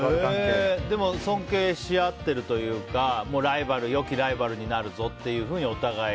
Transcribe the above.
でも尊敬し合ってるというか良きライバルになるぞってお互い。